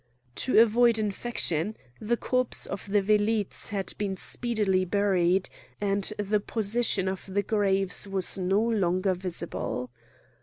To avoid infection, the corpses of the velites had been speedily buried; and the position of the graves was no longer visible.